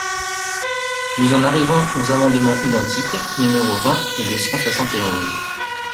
Nous en arrivons aux amendements identiques numéros vingt et deux cent soixante et onze.